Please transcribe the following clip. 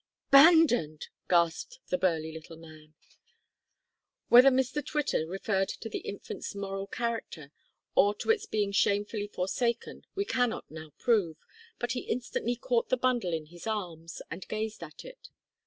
"Abandoned!" gasped the burly little man. Whether Mr Twitter referred to the infant's moral character, or to its being shamefully forsaken, we cannot now prove, but he instantly caught the bundle in his arms and gazed at it.